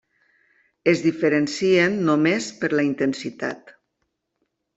Es diferencien només per la intensitat.